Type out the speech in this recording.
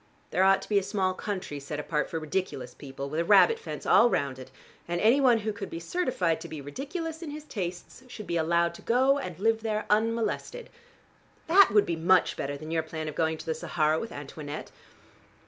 There ought to be a small county set apart for ridiculous people, with a rabbit fence all round it, and any one who could be certified to be ridiculous in his tastes should be allowed to go and live there unmolested. That would be much better than your plan of going to the Sahara with Antoinette.